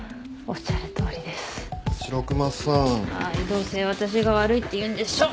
どうせ私が悪いって言うんでしょ。